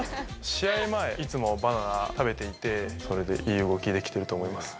試合前、いつもバナナ食べていて、それでいい動きできていると思います。